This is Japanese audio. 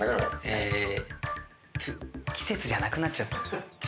季節じゃなくなっちゃった。